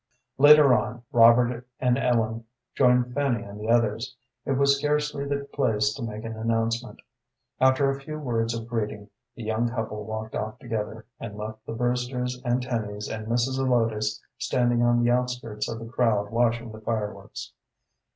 Later on Robert and Ellen joined Fanny and the others. It was scarcely the place to make an announcement. After a few words of greeting the young couple walked off together, and left the Brewsters and Tennys and Mrs. Zelotes standing on the outskirts of the crowd watching the fireworks.